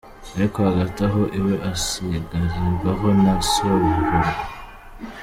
Ariko hagati aho iwe asigarirwaho na Sabuhoro.